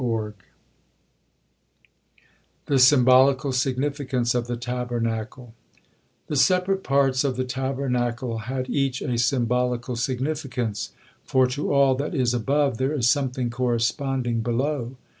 THE SYMBOLICAL SIGNIFICANCE OF THE TABERNACLE The separate parts of the Tabernacle had each a symbolical significance, for to all that is above there is something corresponding below.